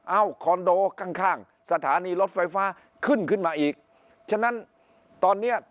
คอนโดข้างข้างสถานีรถไฟฟ้าขึ้นขึ้นมาอีกฉะนั้นตอนเนี้ย